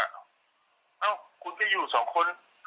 เขาก็บอกว่าคุณไปอยู่สองคน